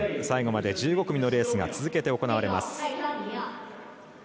最後まで１５組のレースが続けて行われます。